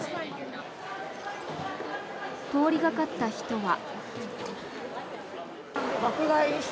通りがかった人は。